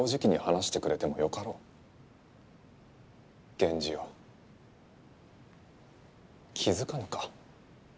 源氏よ気付かぬか？